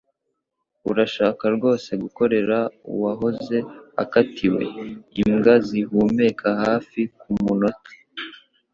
Urashaka rwose gukorera uwahoze akatiwe? Imbwa zihumeka hafi kumunota.